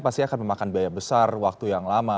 pasti akan memakan biaya besar waktu yang lama